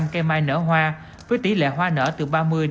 năm cây mai nở hoa với tỷ lệ hoa nở từ ba mươi tám mươi